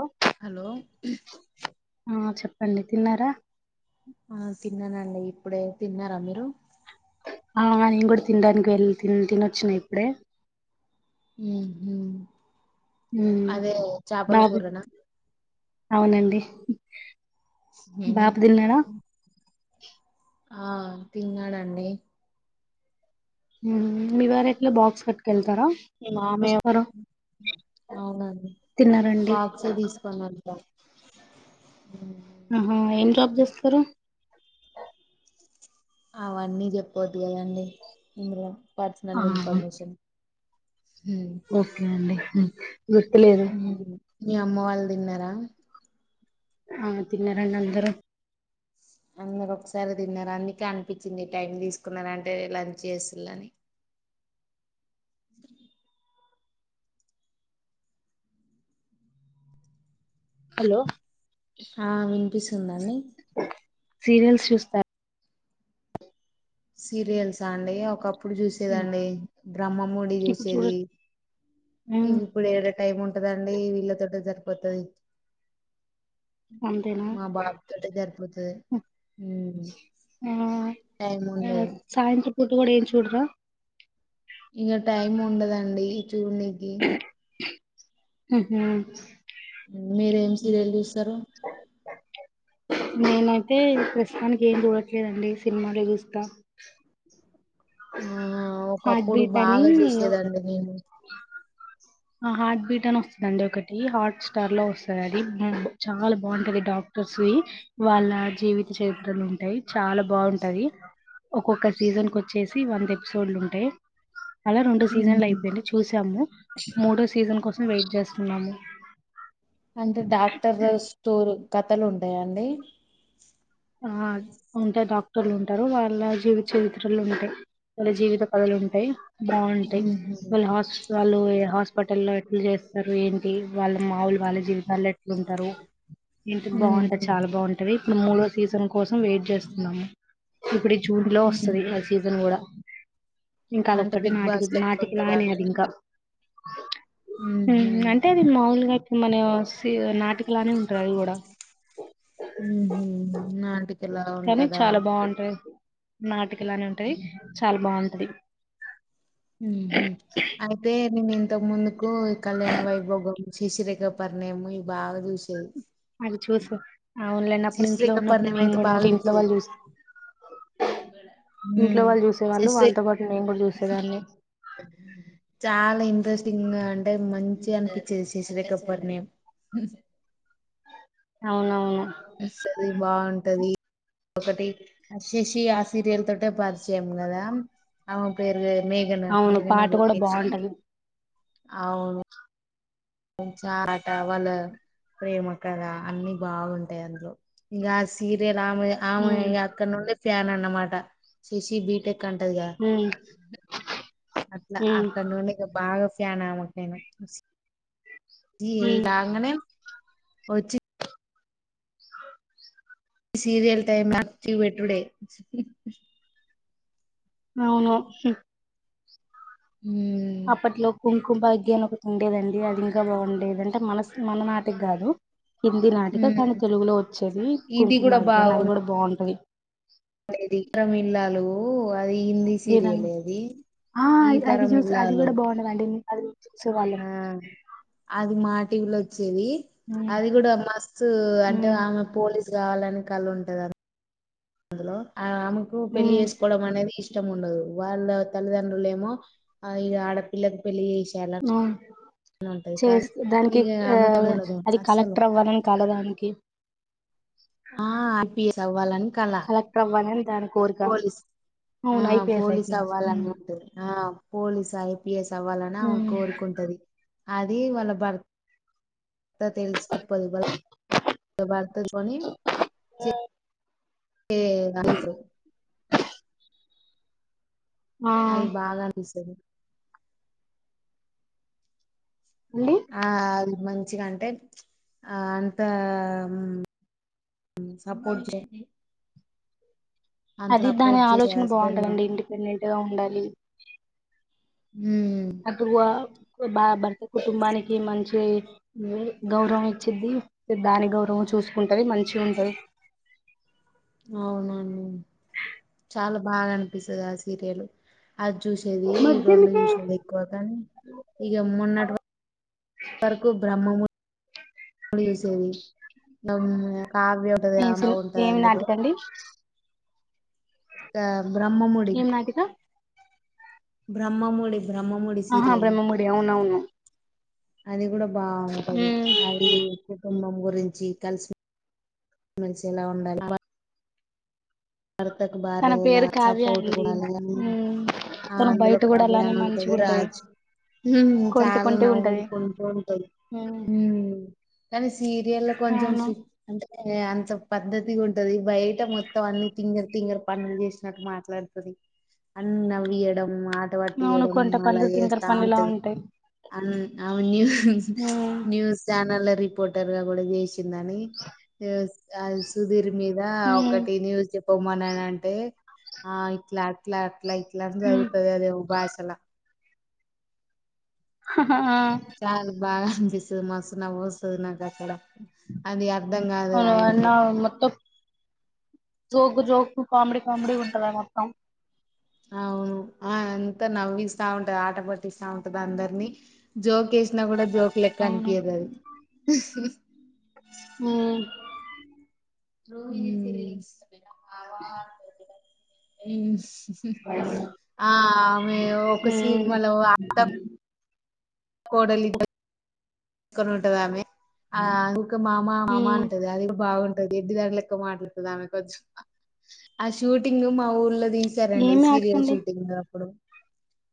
ఓ hello ఆ చెప్పండి తిన్నారా ఆ తిన్నానండి ఇప్పుడే తిన్నారా మీరు అవు నేను కూడా తినడానికి వెళ్ళి తినొచ్చిన ఇప్పుడే ఊహూ ఉమ్ అదే చాపల బాబు కూర నా అవునండి బాబు తిన్నాడా ఆ తిన్నాడండి హ్మ్ మీ వారెట్లా బాక్స్ పట్టుకెళ్ అవునండి తిన్నారండి బాక్సే తీసుకొని వెళ్ త ఆహా ఏం జాబ్ చేస్తారు అవన్నీ చెప్పద్ దు అండి ఇందులో ఆ పర్సనల్ ఇన్ఫర్మేషన్ ఓకే అండి గుర్తులేదు మీ అమ్మ వాళ్ళు తిన్నారా ఆ తిన్నా రండి అందరూ అందరు ఒకసారి తిన్నారు అందుకే అనిపించింది టైం తీసుకున్నారూ అంటే లంచ్ చేసిల్లు అని హలో ఆ విని పిస్తుందా అండి సీరియల్స్ చూస్తా సీరియల్సా అండి ఒకప్ ప్పుడు చూసేదండి బ్రహ్మ మూడి ఇప్పుడు చూడ చూసేది ఇ హ్మ్. ఇప్పుడు ఏడ టైం ఉం ట దండి వీళ్ళతోటే సరిపోతది అంతేనా మా బాబు తోటే సరిపోతది ఉమ్ ఆ టైం ఉండదు సాయంత్రం పూట కూడా ఏం చూడరా ఇంగ టైం ఉండదండి చూడనీకి ఊహూ మీరు ఏం సీరియల్ చూస్తారు నేనైతే ప్రస్తుతానికి ఏం చూడట్లేదండి సినిమాలే చూస్తా ఆ హార్ట్ ఒకప్పుడు బీట్ అని బాగా చూసేదండి నేను ఆ హార్ట్ బీట్ అని వస్తదండి ఒకటి హాట్ స్టార్ లో వస్తది అది చాలా బాగుంటది డాక్టర్స్వి వాళ్ళ జీవిత చరిత్రలు ఉంటాయి చాలా బావుంటది ఒక్కొక్క సీజన్ కి వచ్చేసి వంద ఎపిసోడ్లు ఉంటాయి అలా రెండు ఉహు సీజన్లు అయిపోయినయి చూసాము సీజన్ కోసం వెయిట్ చేస్తున్నాము. అంటే డాక్టర్ ద స్టోర్ కథలు ఉంటాయా. అండి ఆ ఉంటాయి డాక్టర్లు ఉంటారు. వాళ్ళ జీవిత చరిత్రలు ఉంటాయి. వాళ్ళ జీవిత కథలు ఉంటాయి. బాగుంటాయి. ఉహు వాళ్ళ హాస్పిటల్ హాస్పి హాస్పిటల్లో ఎట్లు చేస్తారు, ఏంటి వాళ్ళ మాములు వాళ్ళ జీవితాల్లో ఎట్లుంటారు. ఇంటి బాగుంటది ఉహు చాలా బాగుంటది. మూడు సీజన్ కోసం వెయిట్ చేస్తున్నాము. ఇప్పుడు జూన్ లో ఉహు వస్తుది ఆ సీజన్ కూడా. ఇంకా అంటే అదొక్కటే బిగ్ బాస్ నాటిక లెక్క నాటికి ఉంటదా లానే అండి అది ఇంకా ఉహు అంటే అది మాములుగా మన నాటికలునే ఉంటారు. అవి కూడా హ్మ్ నాటికల ఉంటదా నాటి ఇలానే ఉంటాయి చాలా బాగుంటది. హ అయితే ను ఇంత ముందు కళ్యాణ వైభోగం శశిరేఖ పరిణయం ఇయి భాగా దూషయి మరి చూస అవునులేండిప్పుడు ఇంట్లో శిశిరేఖ ఉన్నప్పుడు పరిణయం మేము అయితే కూడా ఇం బాగా ఇంట్లో చూసేది వాళ్ళు చూస్తే ఇంట్లో మ్మ్ వాళ్ళు చూసేవాళ్ళు శశి వాళ్ళతో పాటు మేము కూడా చూసేదన్ని. చాలా గా అంటే మంచిగా అనిపించేది శశిరేఖ పరిణయం అవునవును సది బాగుంటది ఒకటి శశి ఆ సీరియల్ తోట పార్చ్చము కదా అన్ పేరు మేఘనా అవును మేఘనా పాట కూడా లోలొకేషన్ బాగుంటది అవు చటవల ప్రేమ కళ అన్ని బాగుంటాయి అందులో ఇకా సీరియల్ మె ఆమె ఉమ్ అక్క ను ఉండ ఫ్యాన్ అన్నమాట చేసి బీటెక్ అంటదిగా ఉమ్ అట్లా ఉమ్ అక్కడ నూనె బాగా క్యానామకనా జీ ఉమ్ ఇలా అంగనే వచ్చి సీరియల్ టైం అచ్చి వెెట్టుడే అవును ఉమ్ అప్పట్లో కు కుంకుమ భాగ్య అని ఒకటి ఉండేదండి అది ఇంకా బాగుండేది అంటే మన మన నాటికి కాదు హిందీ నాటిక ఉమ్ కానీ తెలుగులో వచ్చేది ఇది కుంకుమ భాగ్య అది కూడా బాగుంటది అది ఈ తరం ఇల్లాలు అది హిందీ ఏద సీరియలే అది ఆ ఈ అది తరం చ్యూస్ అది ఇల్లాలు కూడా బాగుండవండి అది చూసేవాళ్ళం ఆ అది మాట్ టీవీలో వచ్చే వచ్చేది ఉమ్ అది కూడా మస్తు అంటే ఉమ్ ఆమె పోలీస్ కావాలని కళ ఉంటదిద అందులో ఆ ఆమెకు పెళ్లి ఉమ్ చేేసుకోవడం అనేది ఇష్ట ఇష్టం ఉండదు వాళ్ళ తల్లిదండ్రులు ఏమో ఆ ఇగ ఆడపిల్లకి పెళ్లి చేసేయాలని ఆవు ఉంటది కానీ చేస్త దానికి ఇగ ఆ ఆమెకేం ఉండదు అది అస్సలు కలెక్టర్ అవ్వాలని కల దానికి ఆ హపీ అవ్వాలని కల దానికి పోలీస్ ఆ పోలీస్ ఐపీఎస్ అవ్వాలన్న ఉంటది ఆ పోలీస్ ఐపిఎస్ సవాలన్నా ఆమెకు కోరుకుంటది అది వాళ్ళ భర్త తెలుసు చెప్పది వాళ్ళ భర్తతోనీ చెప్పి ఏ [unintelligible] ఆ అది బాగా అనిపిస్తది అండి ఆ అ మ మంచిగాంటే ఆ అంత సపోర్ట్ చేయ అది దాని చేసే ఆలోచన హస్బెండ్ బాగుంటదండి ఇండిపెండెంట్ గా ఉండాలి ఉమ్ అప్పు బ భర్త కుటుంబానికి మంచి గౌరవం ఇచ్చిది దాని గౌరవం చూసుకుంటది మంచి ఉంటది అవునాను చాలా బాగా అనిపిస్తుంది ఆ సీరియల్ అది చూసేది రెండు మధ్యనికే చూసేది ఎక్కువ కాని ఇక మొన్నవ ఇంత వరకు బ్రహ్మము ముళ సేరి అ కాగియ ఉంటది ఏం అమ సిని ఉంటది ఏం అందులో నాటికండి కా బ్రహ్మమడి ఏం నాటిక బ్రహ్మ మూడి ఆహా బ్రహ్మమూడి అవును అవును అది కూడా బాగుంటది అది కుటుంబం గురించి కలిసిమెలిసిలా ఉండాలి భర్తకు తన భార్యలా పేరు కావ్య సపోర్ట్ అండి కూడాాలని ఉమ్ ఆ తను అందులో బయట ఒక కూడా అలానే అభియాన ఉంటది మంచిగుంటది రాజు కొంటె చాలా కొంటె ఉంటది నవ్వుకుంటూ ఉంటది ఉమ్ కానీ సీరియల్ కొంచెం అవును అే ఏ అంత పద్ధతిగా ఉంటది బయట మొత్తం అన్ని తింగర తింగర పనులు చేసినట్టు మాట్లాడుతుంది అ నవవియడం ఆట అవును పట్టియడం కొంటె అలా పండ్లు తింకర చేస్తా పండ్లు ఇలా ఉంటది ఉంటాయి అ న్ ఉమ్ న్యూస్ ఛానల్ రిపోర్ క కూడాయిసి ుీర్ మీద ఒక ఉమ్ చె బమన అంటే ఆ ఇట్లా అ ట్లా లైట్లా ఉమ్ చదుగుతది అద బయసాల హ హ ఆ చాలా బాగా అనిపిించదు మస్తు నవ్వొస్తది నా కాడా అది అర్ధం కాదు అవును ఆయనకు అన్నా మత్త జోక్ జోక్ కామెడీ కామెడీ ఉంటుందా మొత్తం అవును ఆ అంతా నవ్విస్తా ఉంటది ఆట పట్టిస్తా ఉంటది అందరినీ జోకేసినా కూడా జోక్ లెక్క అవును అనిపియ్యదు అది ఆ ను ఆ ఏ ఆ ఒక సిని ఉమ్ సినిమలో కోడలిదు కొనుంటదామే ఆ ఇంకా మామా మామా ఉమ్ అంటది అది బావు ఎడ్డీ దానిలక్క మాట్లాడుతుది ఆమె కొంచెం ఆ షూటింగ్ మా ఊర్లో తీసారంండి ఏమి సీరియల్ ఆటకండి షూటింగ్ లో అప్పుడు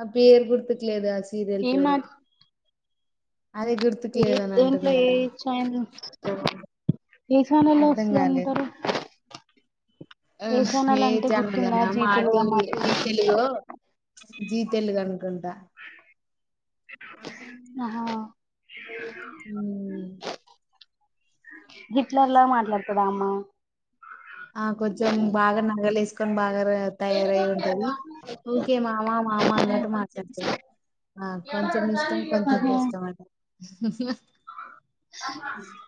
ఆ పేరు గుర్తుకులేదు అస్ సీరియల్ ఏం పేరు ఆట అదే గం ఏ దేంట్లో ఏ ఛానెల్ ఏ ఛానెల్ లో అర్ధం వస్తది కాలేదు అంటారు ఆ ఏ ఛానల్ అనా జీ మా తెలుగమ్మా TV Zee Telugu Zee Telugu అనుకుంటా ఆ హా ఉమ్ నే గిట్లర్లా మాట్లాడుతదా అమా ఆ కొంచెం బాగా నగలు వేసుకొని బాగా తయారయి ఉంటది ఓకే మామా మామ అన్నట్టు మాట్లాడుతుారు ఆ కొంచెం ఇష్టం కొంచెం కష్టం అంట స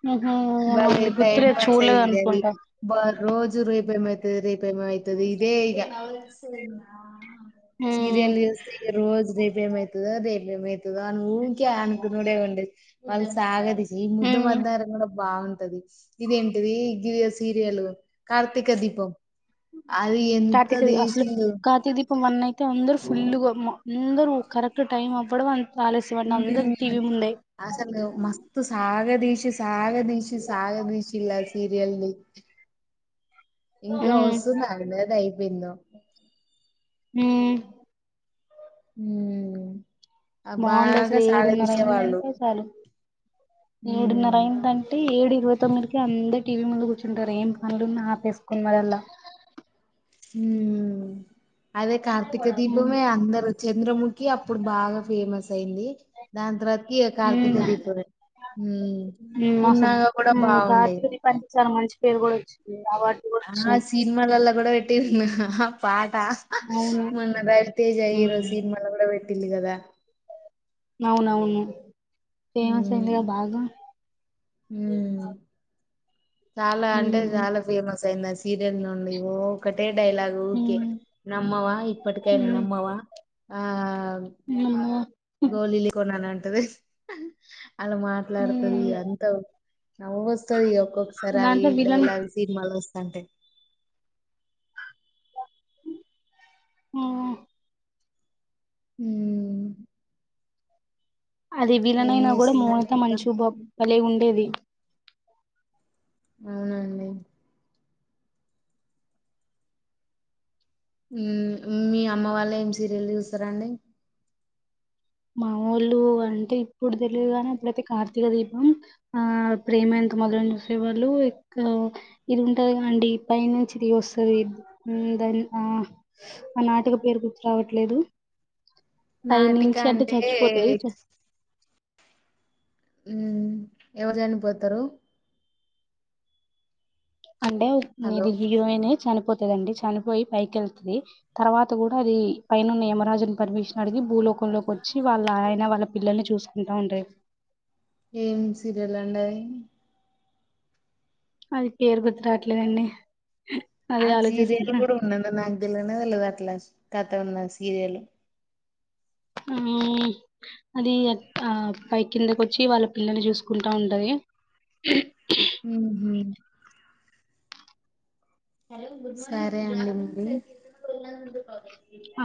హు హుమ్ భలే మలి టైం గుర్తులేదు పాస్ చూడలేదు అయ్యేది అది అనుకుంటా బ రోజు రేపేమ్ అయితుది రేపే అయితుది ఇదే ఈ ఉమ్ సీరియల్ చూస్తే రోజు రేపేమ్ అయితుది అదే ఏమైతదో అని ఊకే అనుకునుడే ఉండు మళ్ళీ సాగదీస్ ఈ ముద్దు ఉమ్ మందరం కూడా బాగుం టది ఇదిేంటిది జి సీరియల్ కార్తీక దీపం అది ఎంత కార్తీక దీ అసలు దీసిండు కార్తీక వన్ అయితే అందరుూ ఫుల్గా అందరు కరెక్ట్ టైం అవ్వడం అ ఉమ్ అసలు మస్తు సాగదసిి సాగదసిి సాగదసిిలా సీరియల్ని ఇంకా ఉమ్ వస్తుంద లేదు అయిపోయిందో ఓ హ హుమ్హూ బాగుండ అసలు ఏడున్నర అయిందంటే చాలు ఏడున్నర మ్మ్ అయిందంటే ఏడు ఇరవ మత్తందరికి అందరు టీవీ ముందు కూర్చుంటారు ఏం పనులున్న ఆపేసుకుొని మర అల్లా హ అదే కార్తీక ఉమ్ దీపమే అందరు చంద్రముఖి అప్పుడు బాగా ఫేమస్ అయింది దాని తర్వాతకి కార్తీక ఉమ్ దీపం హ్మ్ అసలు పున్నాగా కూడా హ్మ్ బాగుండేది రాత్రి పంచసార మంచి పేరు కూడా వచ్చింది అవార్డులు కూడా ఆ వచ్చినాయి. సినిమా కూడా పెట్టటి పా అవును మన్న బాతేజయిరోజన్ హ్మ్ మన పిన్ని కదా అవునవును ఫేమస్ అయిందిగా బాగా మ్ చాలా అంటే హ్మ్. చాలా ఫేమస్ అయింది సీరియల్ నుండి ఒకటే డైలాగ్ ఓకే హ్మ్. నమ్మవా ఇప్పటికైనా హ్మ్. నమ్మవా ఆ అమ్మో! గోలీలు న్నా అంటది అలా మాట్లాడుతది హ్మ్. అంత నవ్వు వస్తది ఒక్కొక్కసారి అవి దాంట్లో విలన్ డైలాగ్ సినిమాలు వస్త అంటె హ హ ఉమ్ అది విలనైనా కూడా చేస్తున్నారు మోనిత ఇంకా మంచి బాలే ఉ తేది అవునండి మీ అమ్మ వాళ్లు ఏం సీరియల్ చూస్తరండి మామూళ్ళు అంటే ఇప్పుడు తెలియదు కానీ అప్పుడైతే కార్తీక దీపం ఆ ప్రేమ ఎంత మధురం చూసేవాళ్ళు ఇది ఉంటది కదండి పైన నుంచి దిగి వస్తది దాని ఆ ఆ నాటక పేరు గుర్తురావట్లేదు నాటిక కంటే అంటే చచ్చిపోతది మ్ ఎవరు చనిపోతారు అంటే హలో ఇది హీరోయినే చనిపోతదండి చనిపోయి పైకి వెళ్తది తర్వాత కూడా అది పైనన్న యమరాజుని పర్మిషన్ అడిగి భూలోకంలోకి వచ్చి వాళ్ళ ఆయన వాళ్ళ పిల్లల్ని చూసుకుంటా ఉంటది ఏం సీరియల్ అండి అది అది పేరు గుర్తురాట్లేదండి ఆ సీరియల్ కూడా ఉన్నదని నాకుదెలవదు అట్లా కత ఉన్న సీరియల్ ఆ అది ఆ పై కిందకి వచ్చి వాళ్ళ పిల్లలు చూసుకుంటా ఉంటది మ్ హు సరే అండి పోయిళ్ళు ఆ